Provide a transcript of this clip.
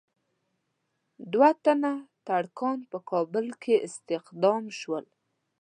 دوه تنه ترکان په کابل کې استخدام شوي وو.